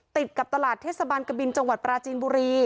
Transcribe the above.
ติดกับตลาดเทศบาลกบินจังหวัดปราจีนบุรี